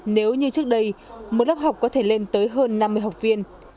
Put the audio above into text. nếu như trước đây một lớp học có thể lên tới hơn năm mươi học viên